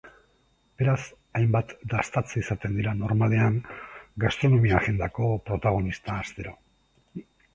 Beraz, hainbat dastatze izaten dira normalean gastronomia-agendako protagonista astero.